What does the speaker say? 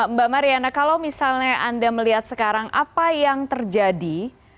mbak mariana kalau misalnya anda melihat sekarang apa yang terjadi